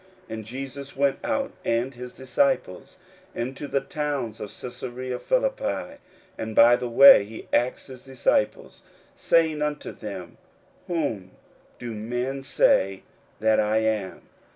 41:008:027 And Jesus went out, and his disciples, into the towns of Caesarea Philippi: and by the way he asked his disciples, saying unto them, Whom do men say that I am?